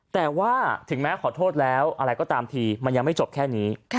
แต่ว่าถึงแม้ขอโทษแล้วอะไรก็ตามทีมันยังไม่จบแค่นี้